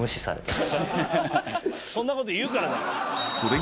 そんなこと言うからだろ。